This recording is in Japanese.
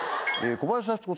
小林幸子！？